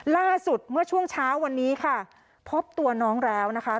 ล่าสุดเมื่อช่วงเช้าวันนี้ค่ะพบตัวน้องแล้วนะคะ